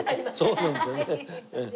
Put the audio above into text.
そうなんですよね。